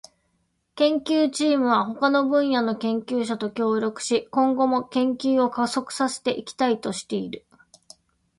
研究チームは他の分野の研究者と協力し、今後も研究を加速させていきたいとしている。